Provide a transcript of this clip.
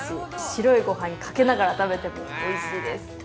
白いごはんにかけながら食べてもおいしいです。